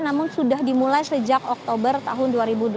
namun sudah dimulai sejak oktober tahun dua ribu dua puluh